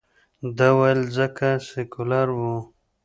ده ویل، ځکه سیکولر ؤ.